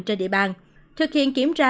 trên địa bàn thực hiện kiểm tra